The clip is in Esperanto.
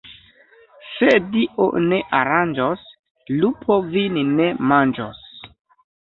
Se Dio ne aranĝos, lupo vin ne manĝos.